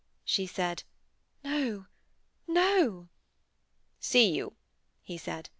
She said: 'No. No.' 'See you,' he said.